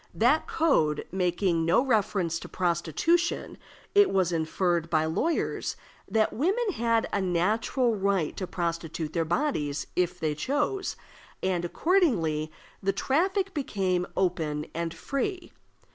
That code making no reference to prostitution, it was inferred by lawyers that women had a natural right to prostitute their bodies if they chose, and accordingly the traffic became open and free.